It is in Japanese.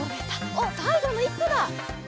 おっさいごの１こだ！